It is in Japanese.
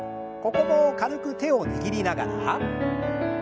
ここも軽く手を握りながら。